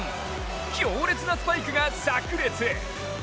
強烈なスパイクがさく裂。